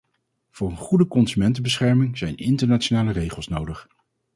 Voor een goede consumentenbescherming zijn internationale regels nodig.